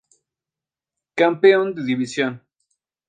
Campeón de división.